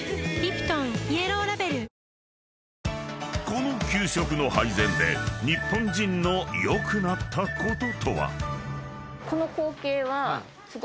［この給食の配膳で日本人の良くなったこととは？］